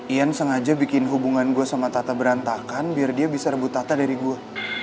ian sengaja bikin hubungan gue sama tata berantakan biar dia bisa rebut tata dari gue